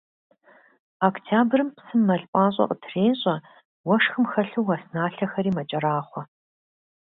Октябрым псым мыл пӀащӀэ къытрещӀэ, уэшхым хэлъу уэс налъэхэри мэкӀэрахъуэ.